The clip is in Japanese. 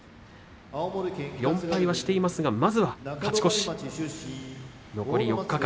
４敗はしていますがまずは勝ち越し残り４日間